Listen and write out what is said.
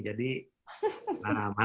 jadi mantap sudah